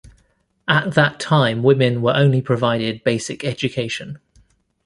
At that time women were only provided basic education.